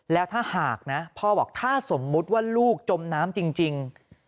แล้วถ้าหากนะพ่อบอกถ้าสมมุติว่าลูกจมน้ำจริง